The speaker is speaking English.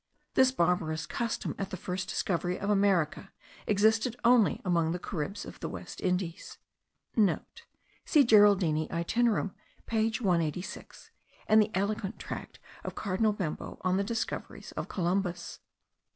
This barbarous custom,* at the first discovery of America, existed only among the Caribs of the West Indies. (* See Geraldini Itinerarium page 186 and the eloquent tract of cardinal Bembo on the discoveries of Columbus.